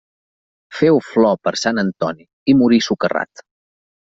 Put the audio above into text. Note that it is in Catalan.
Féu flor per Sant Antoni i morí socarrat.